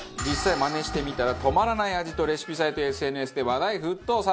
実際マネしてみたら止まらない味と、レシピサイトやＳＮＳで話題沸騰。